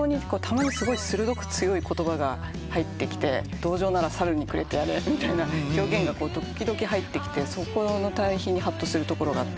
「同情なら猿にくれてやれ」って表現が時々入ってきてそこの対比にはっとするところがあったりとか。